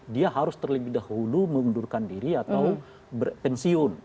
dia harus terlebih dahulu mengundurkan diri atau pensiun